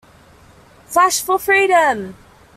Flash For Freedom!